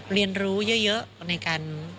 เรียนรู้เยอะในการ